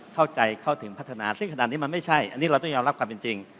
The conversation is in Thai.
เข้าใจเข้าถึงพัฒนาซึ่งขนาดนี้มันไม่ใช่อันนี้เราต้องยอมรับความเป็นจริง